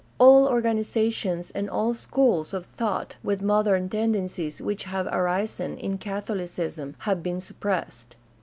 All or ganizations and all schools of thought with modern tend encies which have arisen in Catholicism have been suppressed.